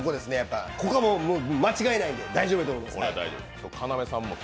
ここはもう間違いないんで大丈夫だと思います。